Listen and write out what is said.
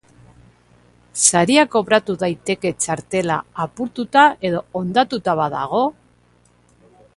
Saria kobratu daiteke txartela apurtuta edo hondatuta badago?